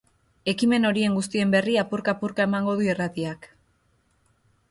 Ekimen horien guztien berri apurka apurka emango du irratiak.